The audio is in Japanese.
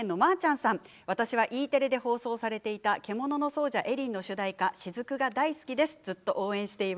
私はＥテレで放送されていた「獣の奏者エリン」の主題歌の「雫」が大好きです。